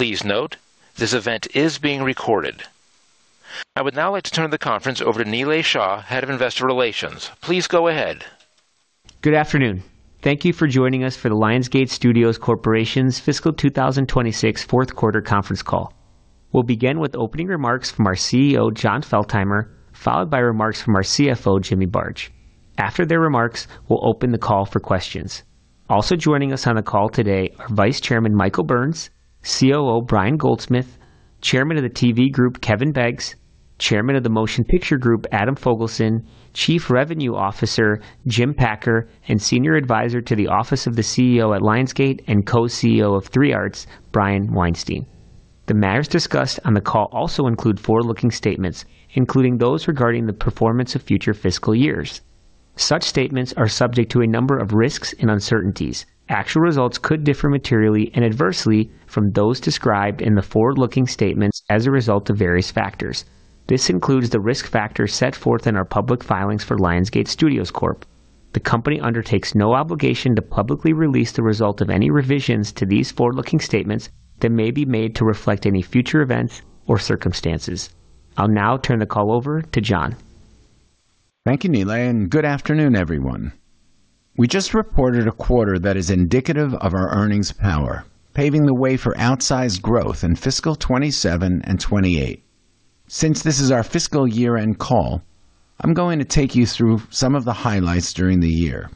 Please note, this event is being recorded. I would now like to turn the conference over to Nilay Shah, Head of Investor Relations. Please go ahead. Good afternoon. Thank you for joining us for the Lionsgate Studios Corporation's fiscal 2026 fourth quarter conference call. We'll begin with opening remarks from our CEO, Jon Feltheimer, followed by remarks from our CFO, Jimmy Barge. After their remarks, we'll open the call for questions. Also joining us on the call today are Vice Chairman Michael Burns, COO Brian Goldsmith, Chairman of the TV Group Kevin Beggs, Chairman of the Motion Picture Group Adam Fogelson, Chief Revenue Officer Jim Packer, and Senior Advisor to the Office of the CEO at Lionsgate and Co-CEO of 3 Arts, Brian Weinstein. The matters discussed on the call also include forward-looking statements, including those regarding the performance of future fiscal years. Such statements are subject to a number of risks and uncertainties. Actual results could differ materially and adversely from those described in the forward-looking statements as a result of various factors. This includes the risk factors set forth in our public filings for Lionsgate Studios Corp. The company undertakes no obligation to publicly release the result of any revisions to these forward-looking statements that may be made to reflect any future events or circumstances. I'll now turn the call over to Jon. Thank you, Nilay, and good afternoon, everyone. We just reported a quarter that is indicative of our earnings power, paving the way for outsized growth in fiscal 2027 and 2028. Since this is our fiscal year-end call, I'm going to take you through some of the highlights during the year.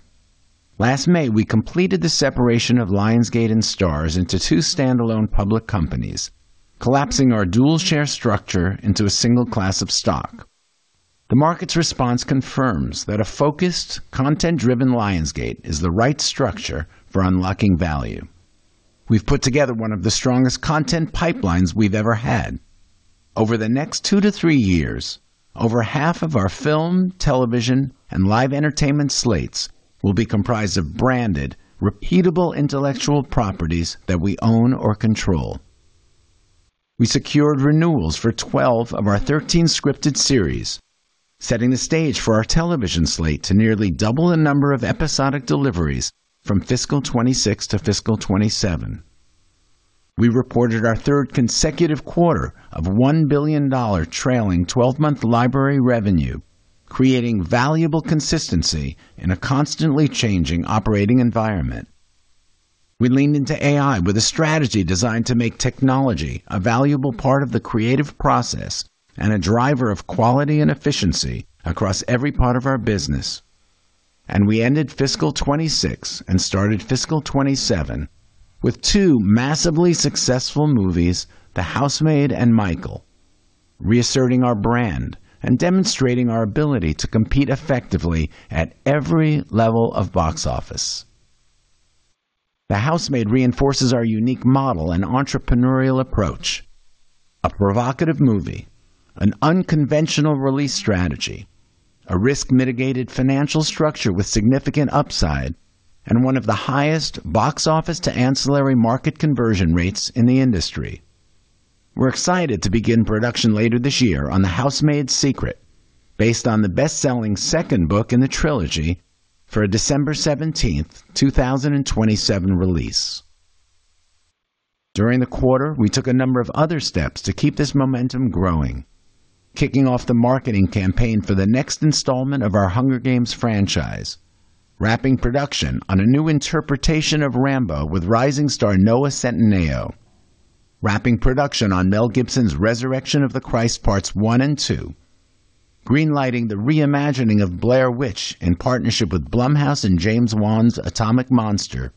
Last May, we completed the separation of Lionsgate and Starz into two standalone public companies, collapsing our dual-share structure into a single class of stock. The market's response confirms that a focused, content-driven Lionsgate is the right structure for unlocking value. We've put together one of the strongest content pipelines we've ever had. Over the next two to three years, over half of our film, television, and live entertainment slates will be comprised of branded, repeatable intellectual properties that we own or control. We secured renewals for 12 of our 13 scripted series, setting the stage for our television slate to nearly double the number of episodic deliveries from fiscal 2026 to fiscal 2027. We reported our third consecutive quarter of $1 billion trailing 12-month library revenue, creating valuable consistency in a constantly changing operating environment. We leaned into AI with a strategy designed to make technology a valuable part of the creative process and a driver of quality and efficiency across every part of our business. We ended fiscal 2026 and started fiscal 2027 with two massively successful movies, "The Housemaid" and "Michael," reasserting our brand and demonstrating our ability to compete effectively at every level of box office. "The Housemaid" reinforces our unique model and entrepreneurial approach. A provocative movie, an unconventional release strategy, a risk-mitigated financial structure with significant upside, and one of the highest box office-to-ancillary market conversion rates in the industry. We're excited to begin production later this year on "The Housemaid's Secret," based on the best-selling second book in the trilogy, for a December 17th, 2027, release. During the quarter, we took a number of other steps to keep this momentum growing, kicking off the marketing campaign for the next installment of our Hunger Games franchise, wrapping production on a new interpretation of Rambo with rising star Noah Centineo, wrapping production on Mel Gibson's Resurrection of the Christ Parts I and II, greenlighting the re-imagining of Blair Witch in partnership with Blumhouse and James Wan's Atomic Monster,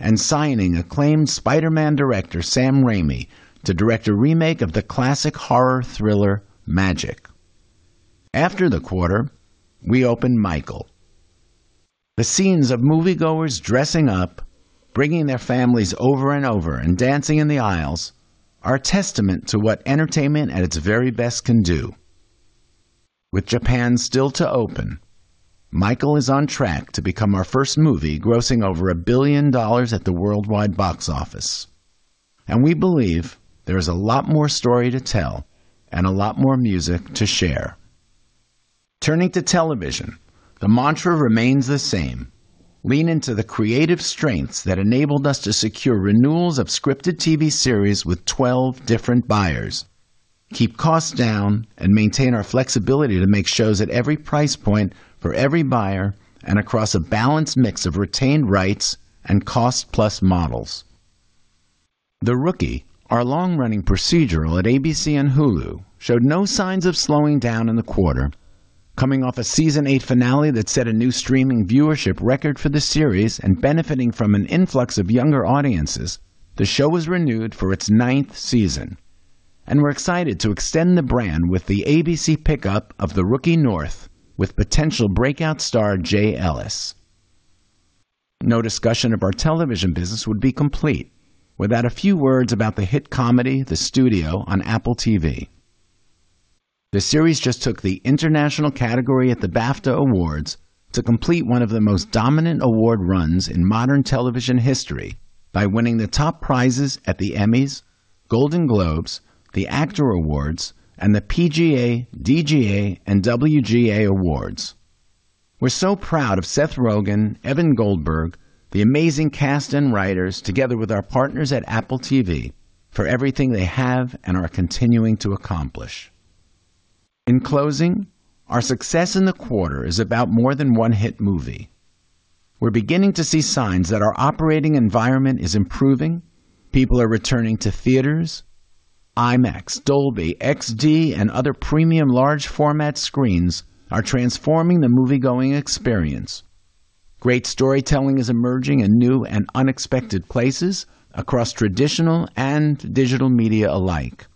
and signing acclaimed Spider-Man director Sam Raimi to direct a remake of the classic horror thriller Magic. After the quarter, we opened Michael. The scenes of moviegoers dressing up, bringing their families over and over, and dancing in the aisles are a testament to what entertainment at its very best can do. With Japan still to open, Michael is on track to become our first movie grossing over a billion dollars at the worldwide box office. We believe there is a lot more story to tell and a lot more music to share. Turning to television, the mantra remains the same. Lean into the creative strengths that enabled us to secure renewals of scripted TV series with 12 different buyers. Keep costs down and maintain our flexibility to make shows at every price point for every buyer and across a balanced mix of retained rights and cost-plus models. "The Rookie," our long-running procedural at ABC and Hulu, showed no signs of slowing down in the quarter. Coming off a Season eight finale that set a new streaming viewership record for the series and benefiting from an influx of younger audiences, the show was renewed for its ninth season, and we're excited to extend the brand with the ABC pickup of "The Rookie: North" with potential breakout star Jay Ellis. No discussion of our television business would be complete without a few words about the hit comedy "The Studio" on Apple TV. The series just took the international category at the BAFTA Awards to complete one of the most dominant award runs in modern television history by winning the top prizes at the Emmys, Golden Globes, the SAG Awards, and the PGA, DGA, and WGA Awards. We're so proud of Seth Rogen, Evan Goldberg, the amazing cast and writers, together with our partners at Apple TV, for everything they have and are continuing to accomplish. In closing, our success in the quarter is about more than one hit movie. We're beginning to see signs that our operating environment is improving. People are returning to theaters. IMAX, Dolby, XD, and other premium large format screens are transforming the movie-going experience. Great storytelling is emerging in new and unexpected places across traditional and digital media alike.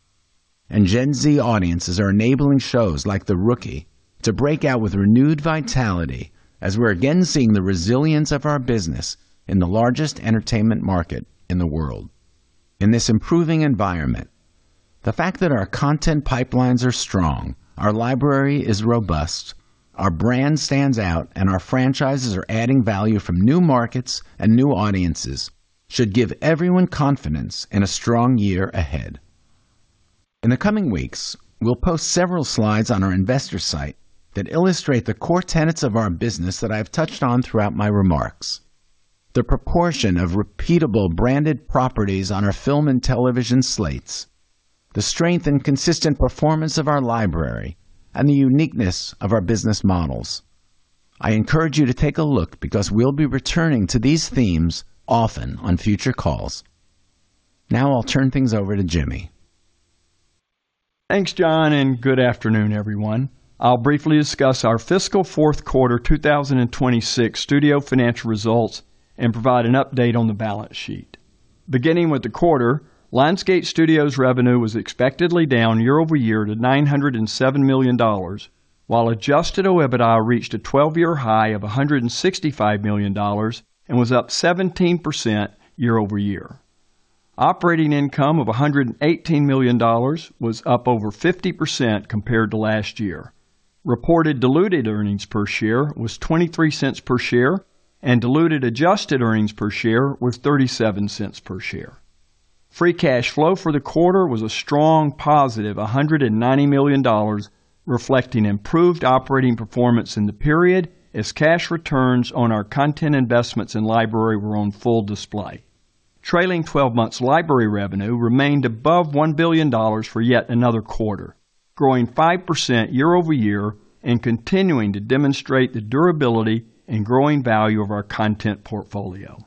Gen Z audiences are enabling shows like "The Rookie" to break out with renewed vitality as we're again seeing the resilience of our business in the largest entertainment market in the world. In this improving environment, the fact that our content pipelines are strong, our library is robust, our brand stands out, and our franchises are adding value from new markets and new audiences should give everyone confidence in a strong year ahead. In the coming weeks, we'll post several slides on our investor site that illustrate the core tenets of our business that I've touched on throughout my remarks. The proportion of repeatable branded properties on our film and television slates, the strength and consistent performance of our library, and the uniqueness of our business models. I encourage you to take a look because we'll be returning to these themes often on future calls. Now I'll turn things over to Jimmy. Thanks, Jon. Good afternoon, everyone. I'll briefly discuss our fiscal fourth quarter 2026 studio financial results and provide an update on the balance sheet. Beginning with the quarter, Lionsgate Studios revenue was expectedly down year-over-year to $907 million, while Adjusted OIBDA reached a 12-year high of $165 million and was up 17% year-over-year. Operating income of $118 million was up over 50% compared to last year. Reported diluted earnings per share was $0.23 per share. Diluted Adjusted earnings per share was $0.37 per share. Free cash flow for the quarter was a strong positive $190 million, reflecting improved operating performance in the period as cash returns on our content investments and library were on full display. Trailing 12 months library revenue remained above $1 billion for yet another quarter, growing 5% year-over-year, continuing to demonstrate the durability and growing value of our content portfolio.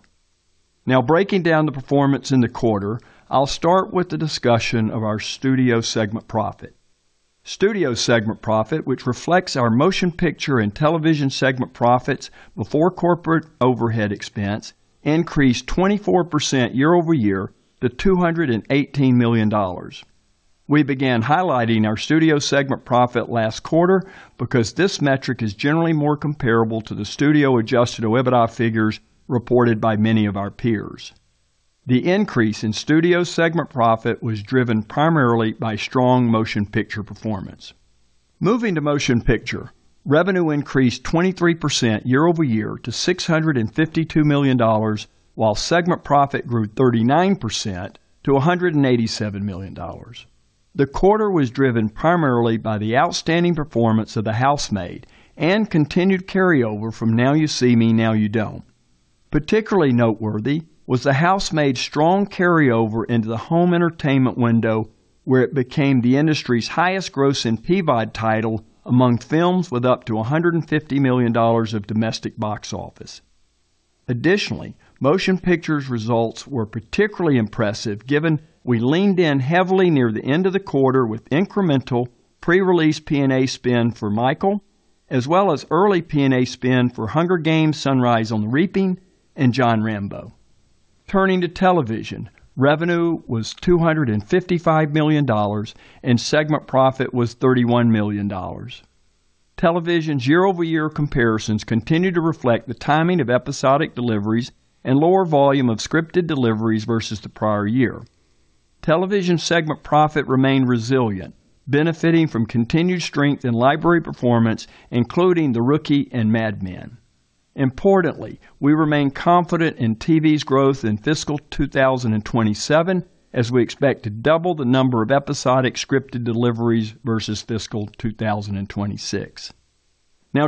Breaking down the performance in the quarter, I'll start with the discussion of our studio segment profit. Studio segment profit, which reflects our motion picture and television segment profits before corporate overhead expense, increased 24% year-over-year to $218 million. We began highlighting our studio segment profit last quarter because this metric is generally more comparable to the studio Adjusted OIBDA figures reported by many of our peers. The increase in studio segment profit was driven primarily by strong motion picture performance. Moving to motion picture, revenue increased 23% year-over-year to $652 million, while segment profit grew 39% to $187 million. The quarter was driven primarily by the outstanding performance of "The Housemaid" and continued carryover from "Now You See Me: Now You Don't." Particularly noteworthy was "The Housemaid's" strong carryover into the home entertainment window, where it became the industry's highest gross in PVOD title among films with up to $150 million of domestic box office. Motion pictures results were particularly impressive given we leaned in heavily near the end of the quarter with incremental pre-release P&A spend for "Michael," as well as early P&A spend for "The Hunger Games: Sunrise on the Reaping" and "John Rambo." Turning to television, revenue was $255 million, and segment profit was $31 million. Television's year-over-year comparisons continue to reflect the timing of episodic deliveries and lower volume of scripted deliveries versus the prior year. Television segment profit remained resilient, benefiting from continued strength in library performance, including "The Rookie" and "Mad Men." Importantly, we remain confident in TV's growth in fiscal 2027 as we expect to double the number of episodic scripted deliveries versus fiscal 2026.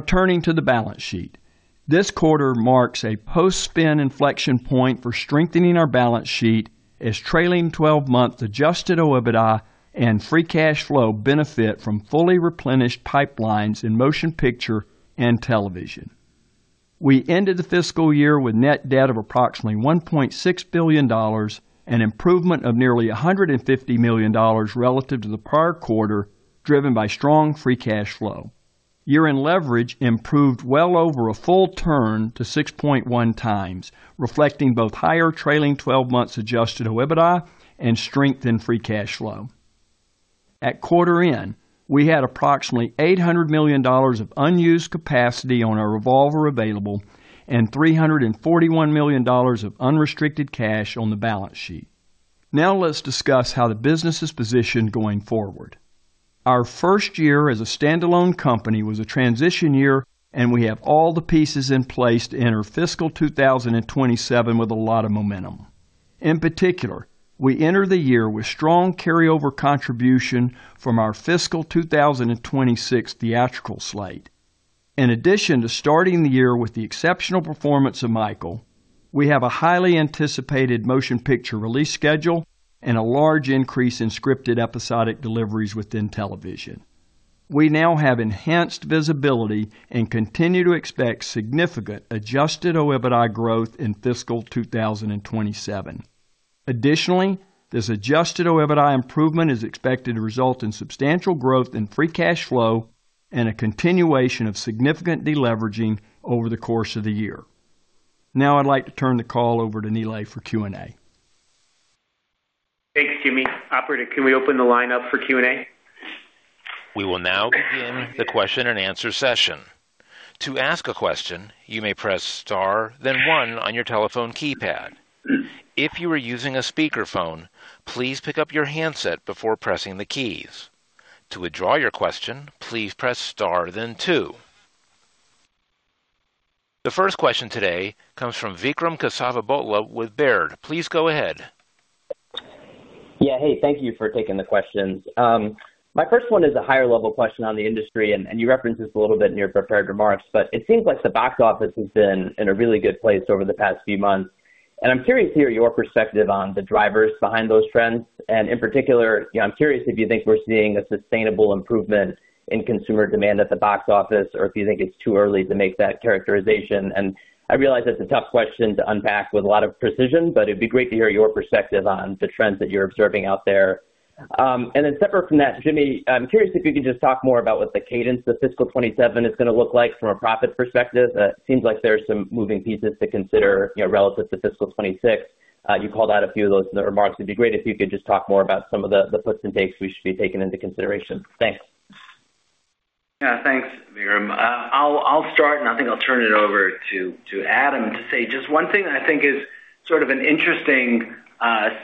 Turning to the balance sheet. This quarter marks a post-spin inflection point for strengthening our balance sheet as trailing 12-month Adjusted OIBDA and free cash flow benefit from fully replenished pipelines in motion picture and television. We ended the fiscal year with net debt of approximately $1.6 billion, an improvement of nearly $150 million relative to the prior quarter, driven by strong free cash flow. Year-end leverage improved well over a full turn to 6.1 times, reflecting both higher trailing 12-month Adjusted OIBDA and strength in free cash flow. At quarter end, we had approximately $800 million of unused capacity on our revolver available and $341 million of unrestricted cash on the balance sheet. Let's discuss how the business is positioned going forward. Our first year as a standalone company was a transition year, and we have all the pieces in place to enter fiscal 2027 with a lot of momentum. In particular, we enter the year with strong carryover contribution from our fiscal 2026 theatrical slate. In addition to starting the year with the exceptional performance of Michael, we have a highly anticipated motion picture release schedule and a large increase in scripted episodic deliveries within television. We now have enhanced visibility and continue to expect significant Adjusted OIBDA growth in fiscal 2027. Additionally, this Adjusted OIBDA improvement is expected to result in substantial growth in free cash flow and a continuation of significant de-leveraging over the course of the year. Now I'd like to turn the call over to Nilay for Q&A. Thanks, Jimmy. Operator, can we open the line up for Q&A? We will now begin the question and answer session. The first question today comes from Vikram Kesavabhotla with Baird. Please go ahead. Yeah. Hey, thank you for taking the questions. My first one is a higher level question on the industry, and you referenced this a little bit in your prepared remarks, but it seems like the box office has been in a really good place over the past few months, and I'm curious to hear your perspective on the drivers behind those trends. In particular, I'm curious if you think we're seeing a sustainable improvement in consumer demand at the box office or if you think it's too early to make that characterization. I realize that's a tough question to unpack with a lot of precision, but it'd be great to hear your perspective on the trends that you're observing out there. Separate from that, Jimmy, I'm curious if you could just talk more about what the cadence of fiscal 2027 is going to look like from a profit perspective. It seems like there are some moving pieces to consider relative to fiscal 2026. You called out a few of those in the remarks. It'd be great if you could just talk more about some of the puts and takes we should be taking into consideration. Thanks. Yeah. Thanks, Vikram. I'll start, and I think I'll turn it over to Adam to say just one thing that I think is sort of an interesting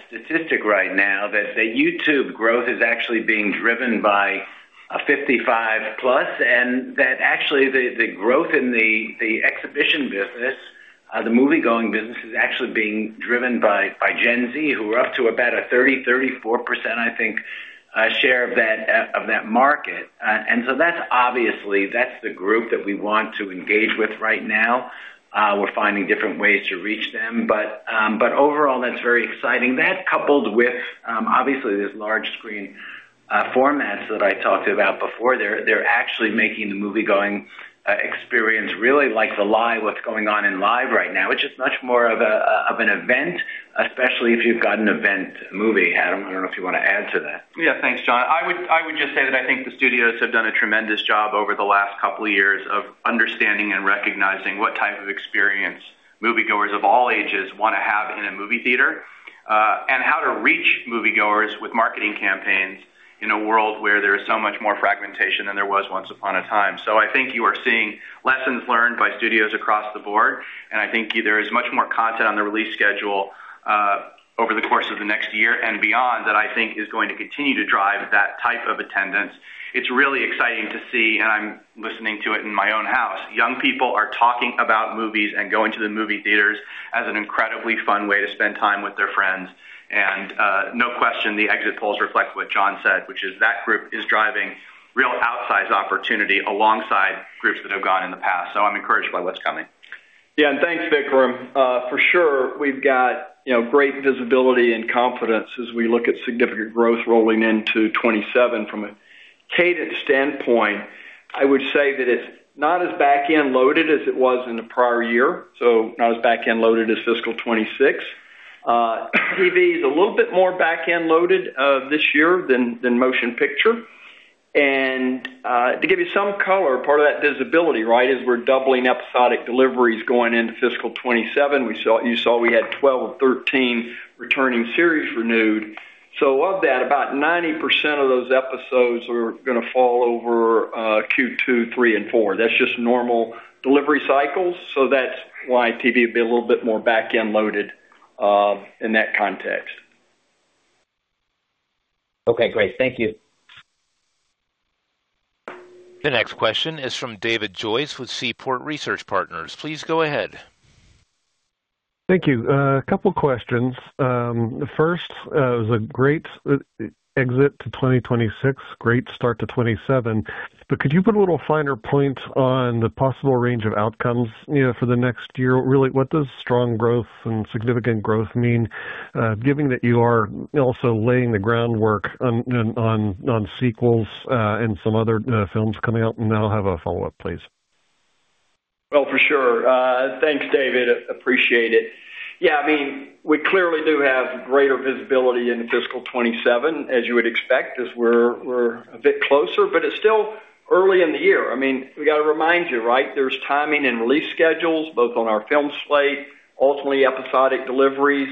statistic right now, that the YouTube growth is actually being driven by 55+, and that actually the growth in the exhibition business, the moviegoing business, is actually being driven by Gen Z, who are up to about a 30%, 34%, I think, share of that market. Obviously, that's the group that we want to engage with right now. We're finding different ways to reach them. Overall, that's very exciting. That coupled with, obviously, this large screen formats that I talked about before. They're actually making the moviegoing experience really like the live, what's going on in live right now. It's just much more of an event, especially if you've got an event movie. Adam, I don't know if you want to add to that. Yeah, thanks, Jon. I would just say that I think the studios have done a tremendous job over the last couple of years of understanding and recognizing what type of experience moviegoers of all ages want to have in a movie theater, and how to reach moviegoers with marketing campaigns in a world where there is so much more fragmentation than there was once upon a time. I think you are seeing lessons learned by studios across the board, and I think there is much more content on the release schedule over the course of the next year and beyond that I think is going to continue to drive that type of attendance. It's really exciting to see, and I'm listening to it in my own house. Young people are talking about movies and going to the movie theaters as an incredibly fun way to spend time with their friends. No question, the exit polls reflect what Jon said, which is that group is driving real outsize opportunity alongside groups that have gone in the past. I'm encouraged by what's coming. Thanks, Vikram. For sure, we've got great visibility and confidence as we look at significant growth rolling into 2027 from a cadence standpoint. I would say that it's not as backend loaded as it was in the prior year, so not as backend loaded as fiscal 2026. TV is a little bit more backend loaded this year than motion picture. To give you some color, part of that visibility is we're doubling episodic deliveries going into fiscal 2026. You saw we had 12 of 13 returning series renewed. Of that, about 90% of those episodes are going to fall over Q2, 3 and 4. That's just normal delivery cycles, so that's why TV will be a little bit more backend loaded in that context. Okay, great. Thank you. The next question is from David Joyce with Seaport Research Partners. Please go ahead. Thank you. A couple questions. The first, it was a great exit to 2026, great start to 2027. Could you put a little finer point on the possible range of outcomes for the next year? Really, what does strong growth and significant growth mean, given that you are also laying the groundwork on sequels and some other films coming out? I'll have a follow-up, please. Well, for sure. Thanks, David. Appreciate it. Yeah, we clearly do have greater visibility into fiscal 2027, as you would expect, as we're a bit closer, but it's still early in the year. We got to remind you, there's timing and release schedules both on our film slate, ultimately episodic deliveries,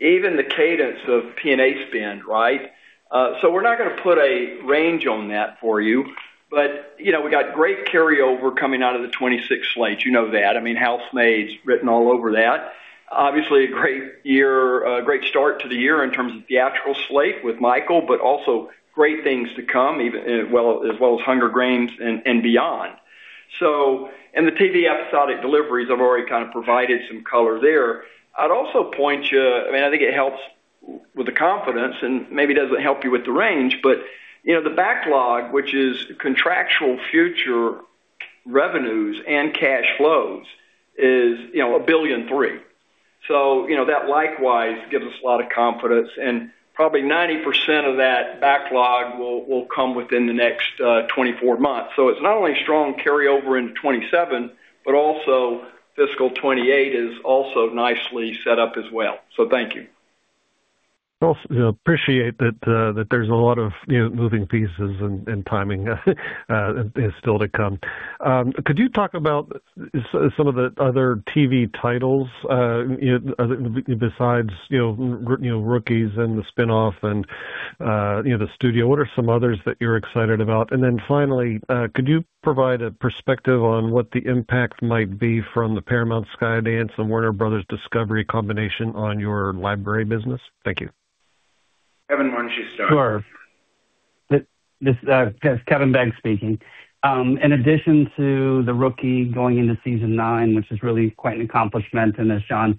even the cadence of P&A spend. We're not going to put a range on that for you. We got great carryover coming out of the 2026 slate. You know that. I mean, Housemaid's written all over that. Obviously a great start to the year in terms of theatrical slate with Michael, but also great things to come as well as Hunger Games and beyond. In the TV episodic deliveries, I've already kind of provided some color there. I'd also point you, I think it helps with the confidence and maybe doesn't help you with the range, the backlog, which is contractual future revenues and cash flows, is $1.3 billion. That likewise gives us a lot of confidence, and probably 90% of that backlog will come within the next 24 months. It's not only strong carryover into 2027, but also fiscal 2028 is also nicely set up as well. Thank you. Well, appreciate that there's a lot of moving pieces and timing is still to come. Could you talk about some of the other TV titles besides "The Rookie" and the spinoff and "The Studio"? What are some others that you're excited about? Finally, could you provide a perspective on what the impact might be from the Paramount Skydance and Warner Bros. Discovery combination on your library business? Thank you. Kevin, why don't you start? Sure. This is Kevin Beggs speaking. In addition to "The Rookie" going into season nine, which is really quite an accomplishment, and as Jon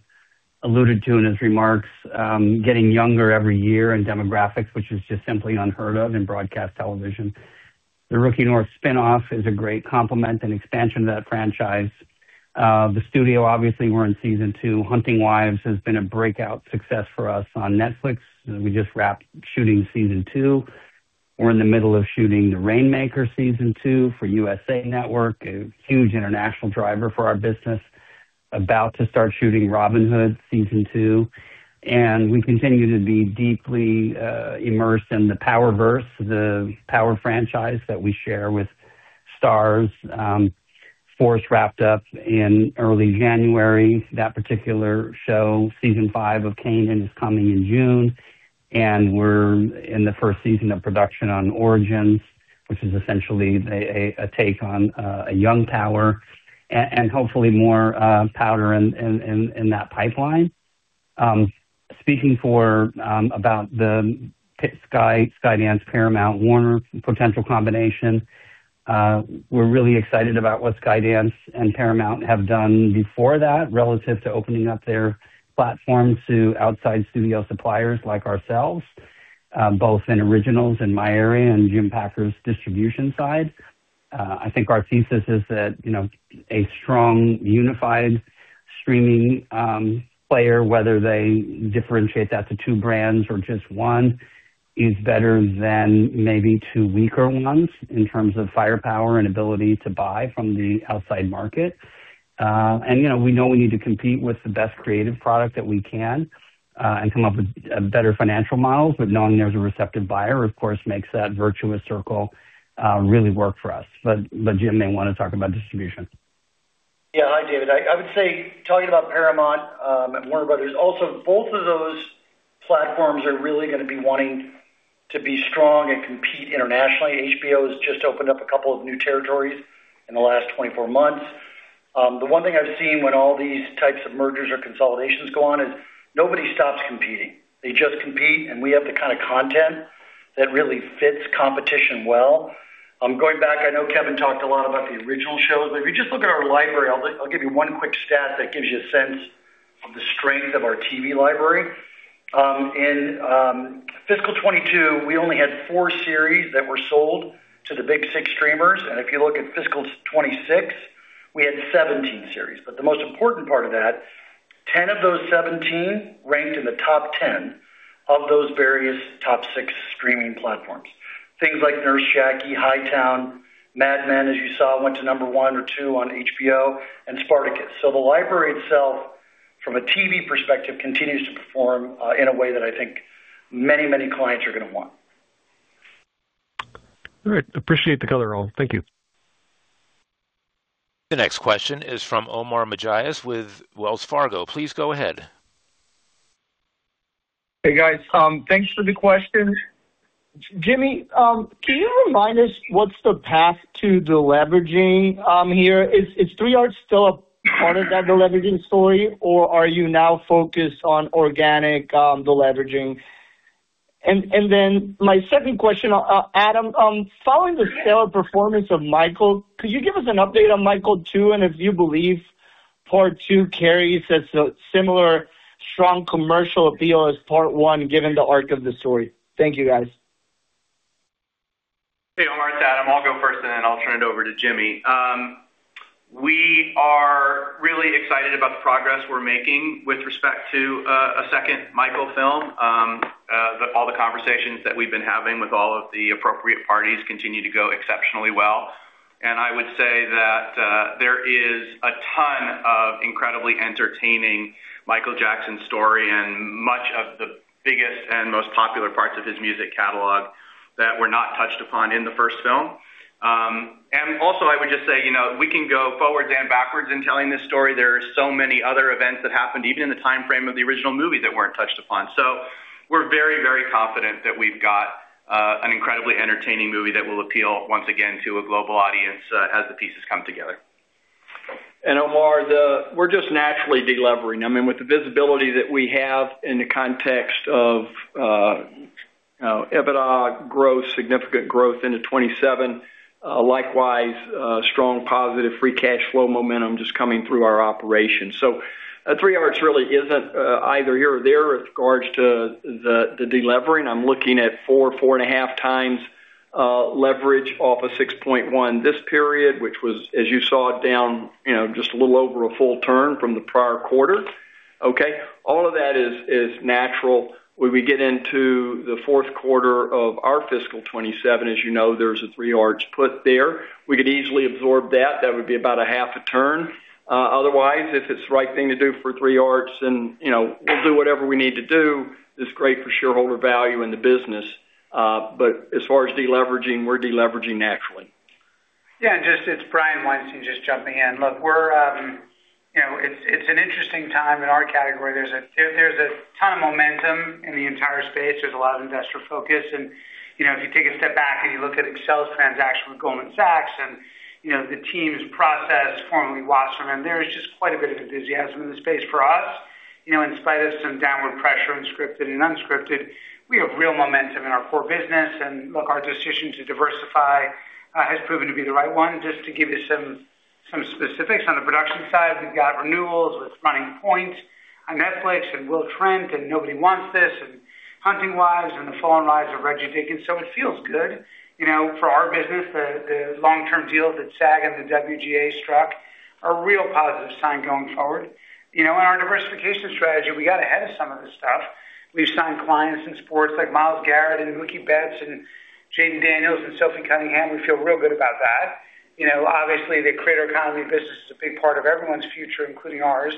alluded to in his remarks, getting younger every year in demographics, which is just simply unheard of in broadcast television. "The Rookie: North" spinoff is a great complement and expansion of that franchise. "The Studio," obviously, we're in season two. "The Hunting Wives" has been a breakout success for us on Netflix. We just wrapped shooting season two. We're in the middle of shooting "The Rainmaker," season two for USA Network, a huge international driver for our business. About to start shooting "Robin Hood," season two, and we continue to be deeply immersed in the Power Universe, the Power franchise that we share with Starz. Force wrapped up in early January. That particular show, season five of "Power Book III: Raising Kanan," is coming in June, and we're in the first season of production on "Power: Origins," which is essentially a take on a young Power, and hopefully more Power in that pipeline. Speaking about the Skydance Paramount Warner potential combination, we're really excited about what Skydance and Paramount have done before that relative to opening up their platform to outside studio suppliers like ourselves, both in originals in my area and Jim Packer's distribution side. I think our thesis is that a strong, unified streaming player, whether they differentiate that to two brands or just one, is better than maybe two weaker ones in terms of firepower and ability to buy from the outside market. We know we need to compete with the best creative product that we can and come up with better financial models. Knowing there's a receptive buyer, of course, makes that virtuous circle really work for us. Jim may want to talk about distribution. Yeah. Hi, David. I would say, talking about Paramount and Warner Brothers also, both of those platforms are really going to be wanting to be strong and compete internationally. HBO has just opened up a couple of new territories in the last 24 months. The one thing I've seen when all these types of mergers or consolidations go on is nobody stops competing. They just compete, and we have the kind of content that really fits competition well. Going back, I know Kevin talked a lot about the original shows, but if you just look at our library, I'll give you one quick stat that gives you a sense of the strength of our TV library. In fiscal 2022, we only had four series that were sold to the big six streamers, and if you look at fiscal 2026, we had 17 series. The most important part of that, 10 of those 17 ranked in the top 10 of those various top six streaming platforms. Things like "Nurse Jackie," "Hightown," "Mad Men," as you saw, went to number one or two on HBO, and "Spartacus." The library itself, from a TV perspective, continues to perform in a way that I think many clients are going to want. All right. Appreciate the color, all. Thank you. The next question is from Omar Mejias with Wells Fargo. Please go ahead. Hey, guys. Thanks for the questions. Jimmy, can you remind us what's the path to deleveraging here? Is 3R still a part of that deleveraging story, or are you now focused on organic deleveraging? Then my second question, Adam, following the stellar performance of "Michael," could you give us an update on "Michael" two and if you believe part two carries a similar strong commercial appeal as part one given the arc of the story? Thank you, guys. Hey, Omar. It's Adam. I'll go first, and then I'll turn it over to Jimmy. We are really excited about the progress we're making with respect to a second "Michael" film. All the conversations that we've been having with all of the appropriate parties continue to go exceptionally well. I would say that there is a ton of incredibly entertaining Michael Jackson story and much of the biggest and most popular parts of his music catalog that were not touched upon in the first film. Also, I would just say we can go forwards and backwards in telling this story. There are so many other events that happened, even in the timeframe of the original movie that weren't touched upon. We're very confident that we've got an incredibly entertaining movie that will appeal once again to a global audience as the pieces come together. Omar, we're just naturally de-levering. With the visibility that we have in the context of EBITDA growth, significant growth into 2027, likewise, strong positive free cash flow momentum just coming through our operations. 3 Arts really isn't either here or there with regards to the de-levering. I'm looking at 4.5 times leverage off of 6.1 this period, which was, as you saw it, down just a little over a full turn from the prior quarter. Okay? All of that is natural. When we get into the fourth quarter of our fiscal 2027, as you know, there's a 3 Arts put there. We could easily absorb that. That would be about a half a turn. If it's the right thing to do for 3 Arts, then we'll do whatever we need to do that's great for shareholder value in the business. As far as de-leveraging, we're de-leveraging naturally. Yeah. It's Brian Weinstein just jumping in. Look, it's an interesting time in our category. There's a ton of momentum in the entire space. There's a lot of investor focus. If you take a step back and you look at Excel's transaction with Goldman Sachs and The Team's process, formerly Wasserman, there is just quite a bit of enthusiasm in the space for us. In spite of some downward pressure in scripted and unscripted, we have real momentum in our core business. Look, our decision to diversify has proven to be the right one. Just to give you some specifics on the production side, we've got renewals with Running Point on Netflix and Will Trent, Nobody Wants This and The Hunting Wives and The Fallen Lives of Reggie Diggins. It feels good. For our business, the long-term deal that SAG and the WGA struck are real positive sign going forward. In our diversification strategy, we got ahead of some of this stuff. We've signed clients in sports like Myles Garrett and Mookie Betts and Jayden Daniels and Sophie Cunningham. We feel real good about that. Obviously, the creator economy business is a big part of everyone's future, including ours.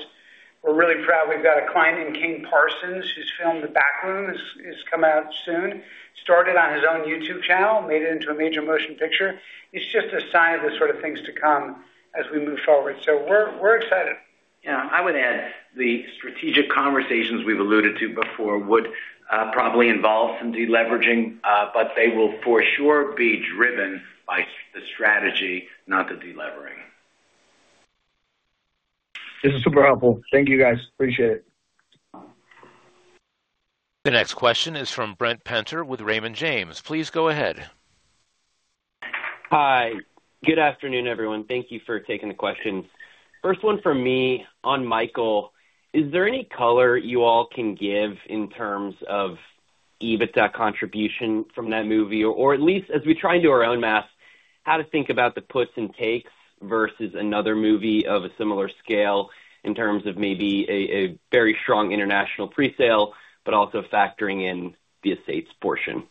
We're really proud we've got a client in Kane Parsons, whose film, The Back Room, is coming out soon. Started on his own youtube channel, made it into a major motion picture. It's just a sign of the sort of things to come as we move forward. We're excited. Yeah. I would add the strategic conversations we've alluded to before would probably involve some de-leveraging. They will for sure be driven by the strategy, not the de-levering. This is super helpful. Thank you, guys. Appreciate it. The next question is from Brent Penter with Raymond James. Please go ahead. Hi. Good afternoon, everyone. Thank you for taking the questions. First one from me on Michael. Is there any color you all can give in terms of EBITDA contribution from that movie? At least as we try and do our own math, how to think about the puts and takes versus another movie of a similar scale in terms of maybe a very strong international presale, but also factoring in the estates portion?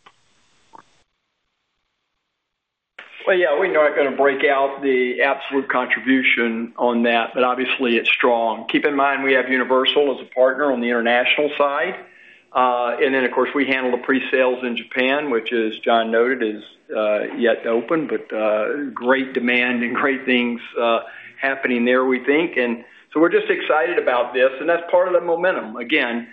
Well, yeah. We're not going to break out the absolute contribution on that, but obviously it's strong. Keep in mind we have Universal as a partner on the international side. Of course, we handle the presales in Japan, which as Jon noted, is yet to open. Great demand and great things happening there, we think. We're just excited about this, and that's part of the momentum. Again,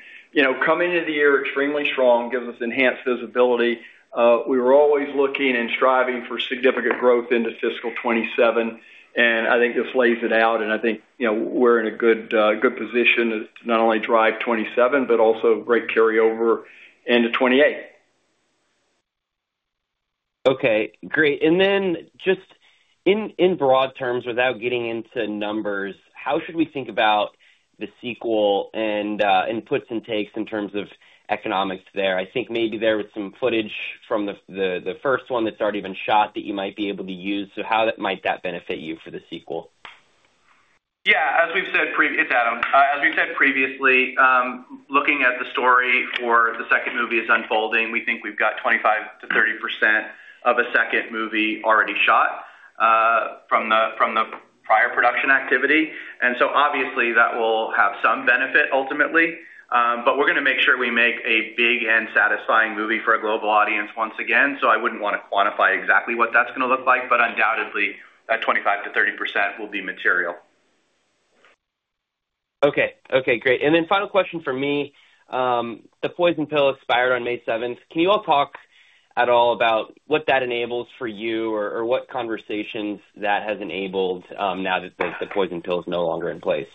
coming into the year extremely strong gives us enhanced visibility. We were always looking and striving for significant growth into fiscal 2027, and I think this lays it out, and I think we're in a good position to not only drive 2027 but also great carryover into 2028. Okay. Great. Just in broad terms, without getting into numbers, how should we think about the sequel and puts and takes in terms of economics there? I think maybe there was some footage from the first one that's already been shot that you might be able to use. How might that benefit you for the sequel? Yeah. It's Adam. As we've said previously, looking at the story for the second movie is unfolding. We think we've got 25%-30% of a second movie already shot from the prior production activity. Obviously, that will have some benefit ultimately. We're going to make sure we make a big and satisfying movie for a global audience once again. I wouldn't want to quantify exactly what that's going to look like, but undoubtedly that 25%-30% will be material. Okay. Great. Final question from me. The poison pill expired on May 7th. Can you all talk at all about what that enables for you or what conversations that has enabled now that the poison pill is no longer in place?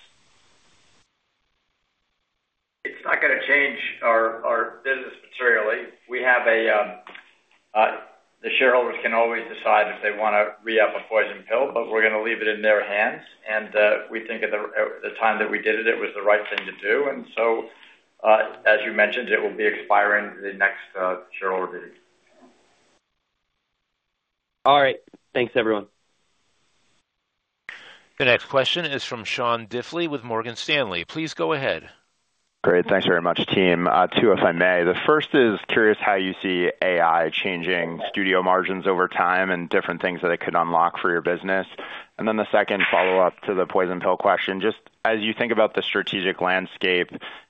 It's not going to change our business materially. The shareholders can always decide if they want to re-up a poison pill, but we're going to leave it in their hands. We think at the time that we did it was the right thing to do. As you mentioned, it will be expiring the next shareholder meeting. All right. Thanks, everyone. The next question is from Sean Diffley with Morgan Stanley. Please go ahead. Great. Thanks very much, team. Two, if I may. The first is curious how you see AI changing studio margins over time and different things that it could unlock for your business. The second follow-up to the poison pill question. Just as you think about the strategic landscape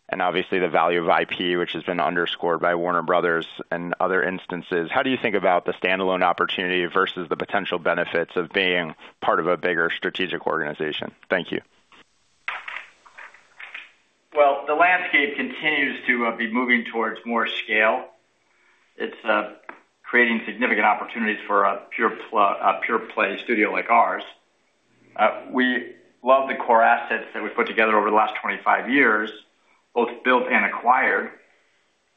and obviously the value of IP, which has been underscored by Warner Brothers and other instances, how do you think about the standalone opportunity versus the potential benefits of being part of a bigger strategic organization? Thank you. The landscape continues to be moving towards more scale. It's creating significant opportunities for a pure play studio like ours. We love the core assets that we've put together over the last 25 years, both built and acquired,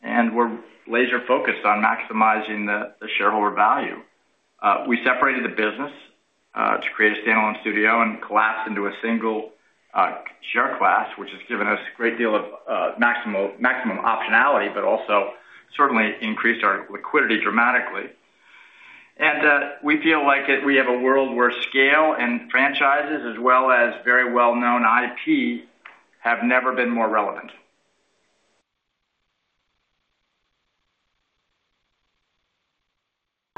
and we're laser focused on maximizing the shareholder value. We separated the business to create a standalone studio and collapsed into a single share class, which has given us a great deal of maximum optionality, but also certainly increased our liquidity dramatically. And we feel like we have a world where scale and franchises as well as very well-known IP, have never been more relevant.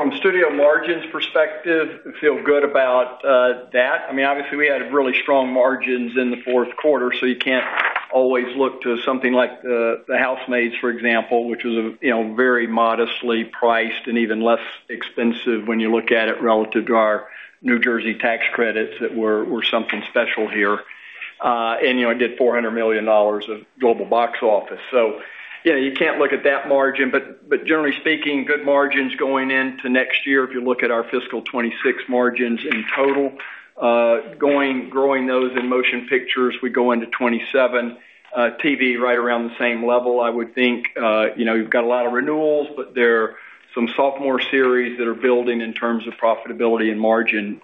From studio margins perspective, we feel good about that. We had really strong margins in the fourth quarter, you can't always look to something like "The Housemaid," for example, which was very modestly priced and even less expensive when you look at it relative to our New Jersey tax credits that were something special here. It did $400 million of global box office. You can't look at that margin. Generally speaking, good margins going into next year. If you look at our fiscal 2026 margins in total growing those in motion pictures, we go into 2027. TV, right around the same level, I would think. You've got a lot of renewals, but there are some sophomore series that are building in terms of profitability and margin.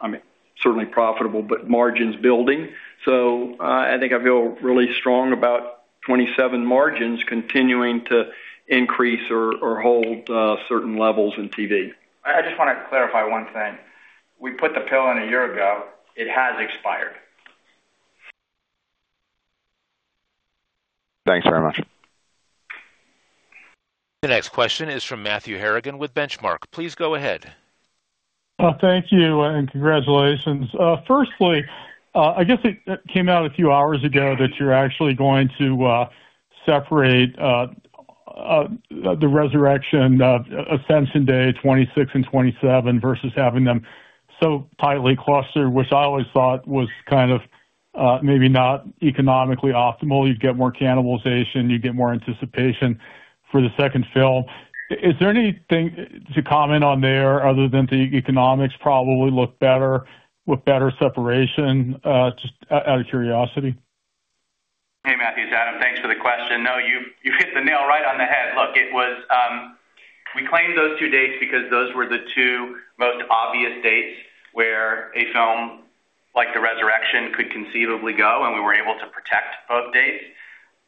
Certainly profitable, but margins building. I think I feel really strong about 2027 margins continuing to increase or hold certain levels in TV. I just want to clarify one thing. We put the pill in a year ago. It has expired. Thanks very much. The next question is from Matthew Harrigan with Benchmark. Please go ahead. Thank you, and congratulations. I guess it came out a few hours ago that you're actually going to separate The Resurrection, Ascension Day 26 and 27 versus having them so tightly clustered, which I always thought was kind of maybe not economically optimal. You get more cannibalization, you get more anticipation for the second film. Is there anything to comment on there other than the economics probably look better with better separation? Just out of curiosity. Hey, Matthew. It's Adam. Thanks for the question. You hit the nail right on the head. We claimed those two dates because those were the two most obvious dates where a film like The Resurrection could conceivably go, and we were able to protect both dates.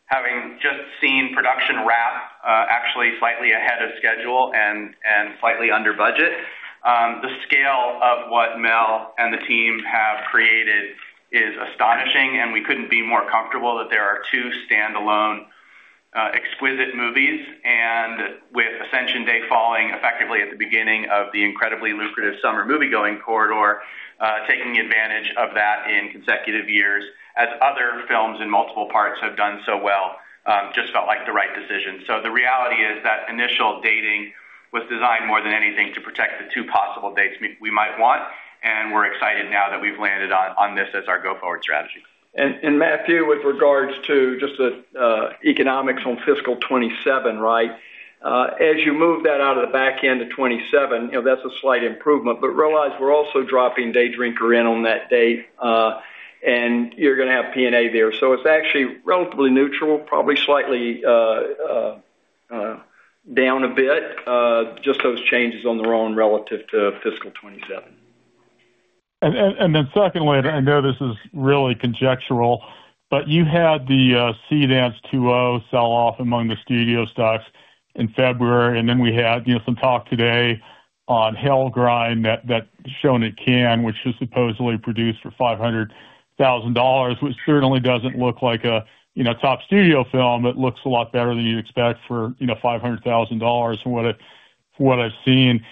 Having just seen production wrap actually slightly ahead of schedule and slightly under budget, the scale of what Mel and the team have created is astonishing, and we couldn't be more comfortable that there are two standalone exquisite movies. With Ascension Day falling effectively at the beginning of the incredibly lucrative summer moviegoing corridor taking advantage of that in consecutive years as other films in multiple parts have done so well, just felt like the right decision. The reality is that initial dating was designed more than anything, to protect the two possible dates we might want. We're excited now that we've landed on this as our go-forward strategy. Matthew, with regards to just the economics on fiscal 2027. As you move that out of the back end of 2027, that's a slight improvement. Realize we're also dropping "Day Drinker" in on that date and you're going to have P&A there. It's actually relatively neutral, probably slightly down a bit. Just those changes on their own relative to fiscal 2027. Secondly, I know this is really conjectural, but you had the CDance 2.0 sell-off among the studio stocks in February, and then we had some talk today on "Hell Grind" that shown at Cannes, which was supposedly produced for $500,000, which certainly doesn't look like a top studio film. It looks a lot better than you'd expect for $500,000 from what I've seen.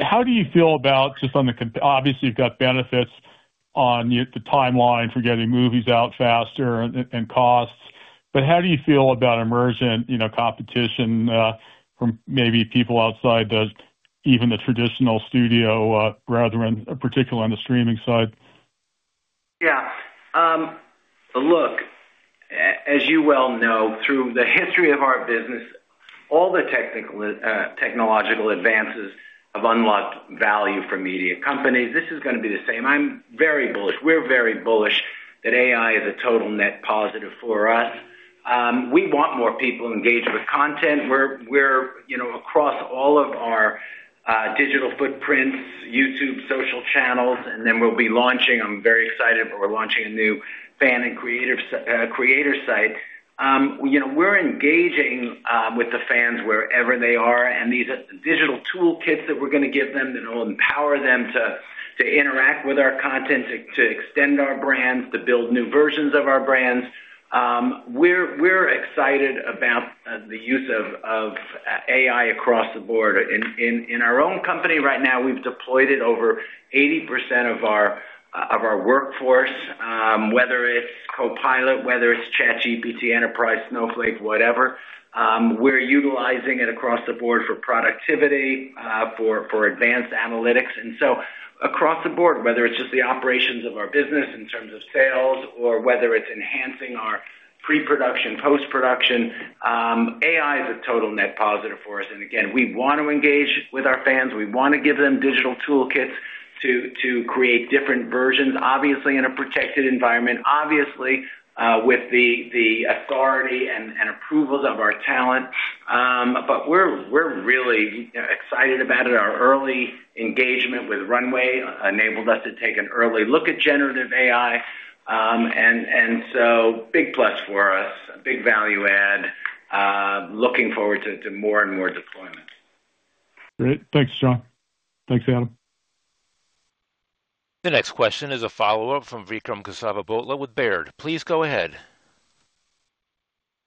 How do you feel about just obviously, you've got benefits on the timeline for getting movies out faster and costs, how do you feel about emergent competition from maybe people outside even the traditional studio rather in particular on the streaming side? Look, as you well know, through the history of our business, all the technological advances have unlocked value for media companies. This is going to be the same. I'm very bullish. We're very bullish that AI is a total net positive for us. We want more people engaged with content. We're across all of our digital footprints, YouTube, social channels, and then we'll be launching. I'm very excited, but we're launching a new fan and creator site. We're engaging with the fans wherever they are and these digital toolkits that we're going to give them that will empower them to interact with our content, to extend our brands, to build new versions of our brands. We're excited about the use of AI across the board. In our own company right now, we've deployed it over 80% of our workforce whether it's Copilot, whether it's ChatGPT Enterprise, Snowflake, whatever. We're utilizing it across the board for productivity, for advanced analytics. Across the board, whether it's just the operations of our business in terms of sales or whether it's enhancing our pre-production, post-production. AI is a total net positive for us. Again, we want to engage with our fans. We want to give them digital toolkits. To create different versions, obviously in a protected environment, obviously with the authority and approvals of our talent. We're really excited about it. Our early engagement with Runway enabled us to take an early look at generative AI. Big plus for us, big value add, looking forward to more and more deployment. Great. Thanks, Jon. Thanks, Adam. The next question is a follow-up from Vikram Kesavabhotla with Baird. Please go ahead.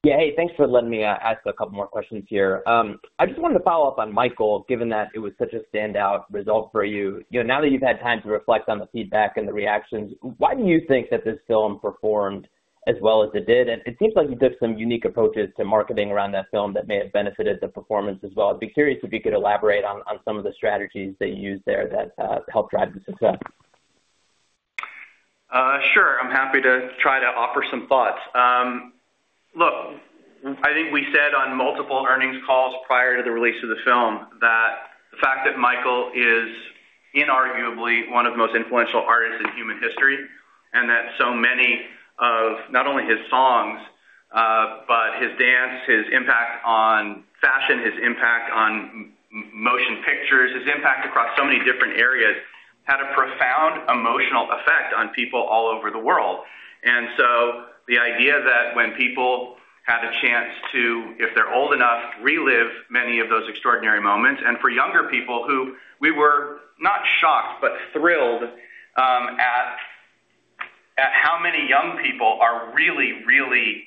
Yeah. Hey, thanks for letting me ask a couple more questions here. I just wanted to follow up on Michael, given that it was such a standout result for you. Now that you've had time to reflect on the feedback and the reactions, why do you think that this film performed as well as it did? It seems like you did some unique approaches to marketing around that film that may have benefited the performance as well. I'd be curious if you could elaborate on some of the strategies that you used there that helped drive the success. Sure. I'm happy to try to offer some thoughts. Look, I think we said on multiple earnings calls prior to the release of the film that the fact that Michael is inarguably one of the most influential artists in human history, and that so many of, not only his songs, but his dance, his impact on fashion, his impact on motion pictures, his impact across so many different areas, had a profound emotional effect on people all over the world. The idea that when people had a chance to, if they're old enough, relive many of those extraordinary moments, and for younger people who we were not shocked but thrilled at how many young people are really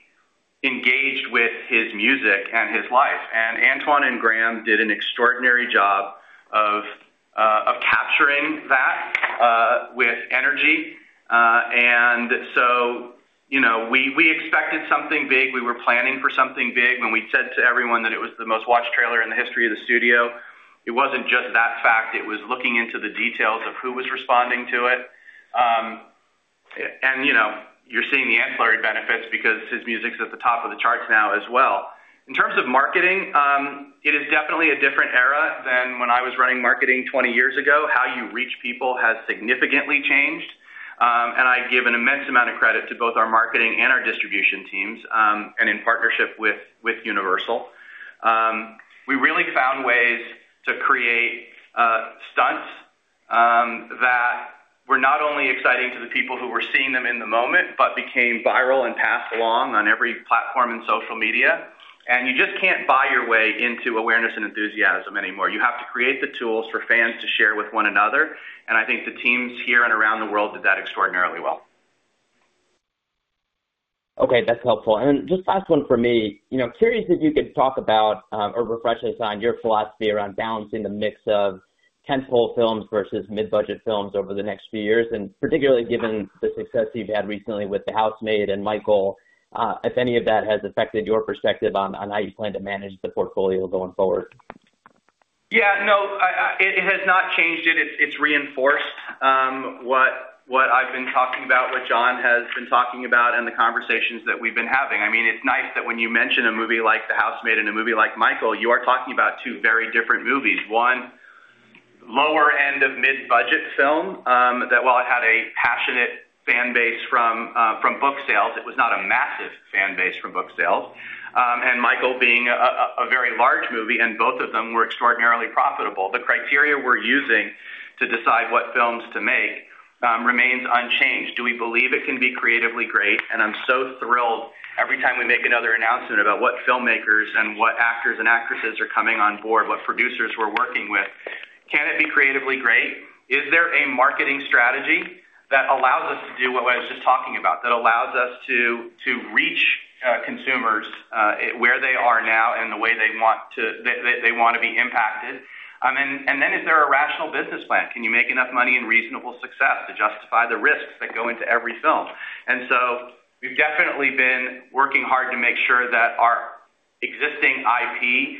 engaged with his music and his life. Antoine and Graham did an extraordinary job of capturing that with energy. We expected something big. We were planning for something big when we said to everyone that it was the most-watched trailer in the history of the studio. It wasn't just that fact. It was looking into the details of who was responding to it. You're seeing the ancillary benefits because his music's at the top of the charts now as well. In terms of marketing, it is definitely a different era than when I was running marketing 20 years ago. How you reach people has significantly changed. I give an immense amount of credit to both our marketing and our distribution teams, and in partnership with Universal. We really found ways to create stunts that were not only exciting to the people who were seeing them in the moment but became viral and passed along on every platform in social media. You just can't buy your way into awareness and enthusiasm anymore. You have to create the tools for fans to share with one another. I think the teams here and around the world did that extraordinarily well. Okay. That's helpful. Just last one from me. Curious if you could talk about or refresh us on your philosophy around balancing the mix of tentpole films versus mid-budget films over the next few years, and particularly given the success you've had recently with "The Housemaid" and "Michael," if any of that has affected your perspective on how you plan to manage the portfolio going forward. Yeah, no, it has not changed it. It's reinforced what I've been talking about, what Jon has been talking about, and the conversations that we've been having. It's nice that when you mention a movie like "The Housemaid" and a movie like "Michael," you are talking about two very different movies. One, lower end of mid-budget film, that while it had a passionate fan base from book sales, it was not a massive fan base from book sales. "Michael" being a very large movie, and both of them were extraordinarily profitable. The criteria we're using to decide what films to make remains unchanged. Do we believe it can be creatively great? I'm so thrilled every time we make another announcement about what filmmakers and what actors and actresses are coming on board, what producers we're working with. Can it be creatively great? Is there a marketing strategy that allows us to do what I was just talking about, that allows us to reach consumers where they are now and the way they want to be impacted? Then is there a rational business plan? Can you make enough money and reasonable success to justify the risks that go into every film? So we've definitely been working hard to make sure that our existing IP,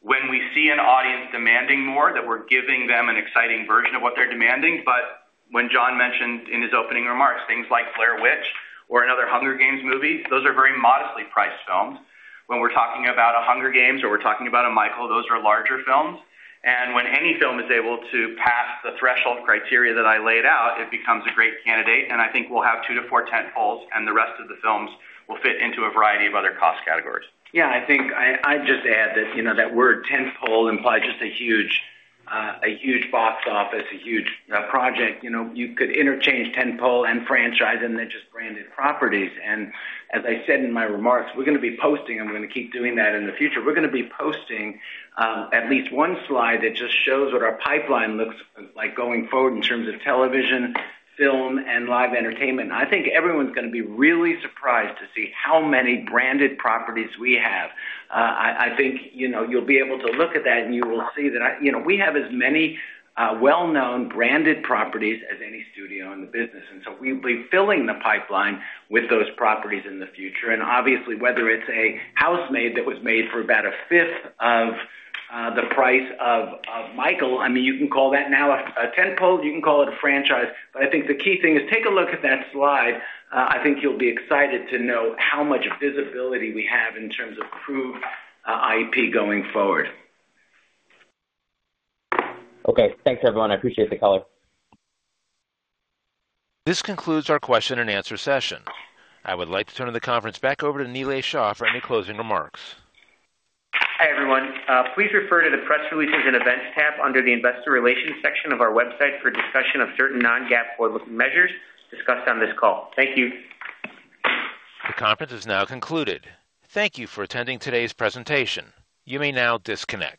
when we see an audience demanding more, that we're giving them an exciting version of what they're demanding. When Jon mentioned in his opening remarks, things like "Blair Witch" or another "Hunger Games" movie, those are very modestly priced films. When we're talking about a "Hunger Games" or we're talking about a "Michael," those are larger films. When any film is able to pass the threshold criteria that I laid out, it becomes a great candidate, and I think we'll have two to four tentpoles and the rest of the films will fit into a variety of other cost categories. Yeah, I think I'd just add that word tentpole implies just a huge box office, a huge project. You could interchange tentpole and franchise, they're just branded properties. As I said in my remarks, we're going to be posting, and we're going to keep doing that in the future. We're going to be posting at least one slide that just shows what our pipeline looks like going forward in terms of television, film, and live entertainment. I think everyone's going to be really surprised to see how many branded properties we have. I think you'll be able to look at that and you will see that we have as many well-known branded properties as any studio in the business, so we'll be filling the pipeline with those properties in the future. Obviously, whether it's a "Housemaid" that was made for about a fifth of the price of "Michael," you can call that now a tentpole, you can call it a franchise. I think the key thing is take a look at that slide. I think you'll be excited to know how much visibility we have in terms of proved IP going forward. Okay. Thanks, everyone. I appreciate the color. This concludes our question and answer session. I would like to turn the conference back over to Nilay Shah for any closing remarks. Hi, everyone. Please refer to the Press Releases and Events tab under the Investor Relations section of our website for a discussion of certain non-GAAP forward-looking measures discussed on this call. Thank you. The conference is now concluded. Thank you for attending today's presentation. You may now disconnect.